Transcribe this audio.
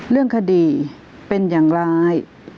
เรื่องคดีเป็นอย่างไร